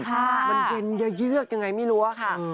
มันเย็นเยื่อยังไงไม่รู้อะค่ะ